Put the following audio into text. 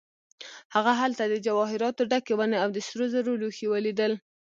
هغه هلته د جواهراتو ډکې ونې او د سرو زرو لوښي ولیدل.